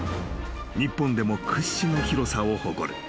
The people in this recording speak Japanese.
日本でも屈指の広さを誇る］